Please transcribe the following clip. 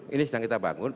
ini sedang kita bangun